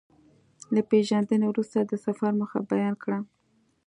له پېژندنې وروسته د سفر موخه بيان کړه.